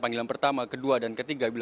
panggilan pertama kedua dan ketiga